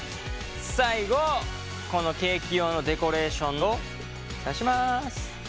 最後このケーキ用のデコレーションを刺します。